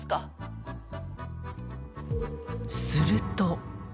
すると。